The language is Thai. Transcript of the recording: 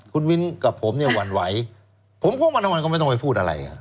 คุณมิ้นกับผมเนี่ยหวั่นไหวผมคงวันทั้งวันก็ไม่ต้องไปพูดอะไร